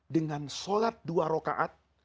dengan sholat dua rokaat